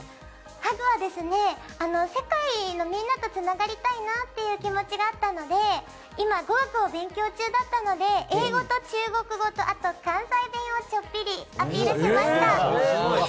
ハグは、世界のみんなとつながりたいなという気持ちがあったので今、語学を勉強中だったので英語と中国語と関西弁をちょっぴりアピールしました。